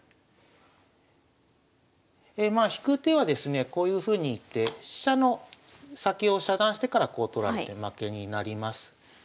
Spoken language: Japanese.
まあ引く手はですねこういうふうに行って飛車の先を遮断してからこう取られて負けになります。